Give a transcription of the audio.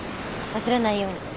忘れないように。